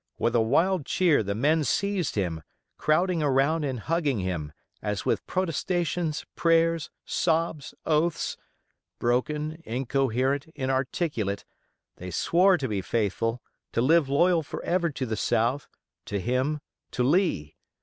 With a wild cheer the men seized him, crowding around and hugging him, as with protestations, prayers, sobs, oaths—broken, incoherent, inarticulate—they swore to be faithful, to live loyal forever to the South, to him, to Lee.